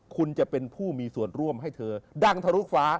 คุณจะเป็นผู้มีส่วนร่วมให้เธอดังทะลุฟ้า